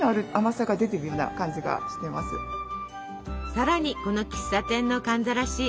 さらにこの喫茶店の寒ざらし。